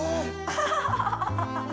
アハハハハ！